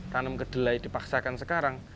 tanam kedelai dipaksakan sekarang